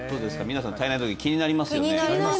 皆さん体内時計気になりますよね？